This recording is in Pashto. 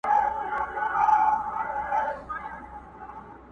څاڅکی یم په موج کي فنا کېږم ته به نه ژاړې٫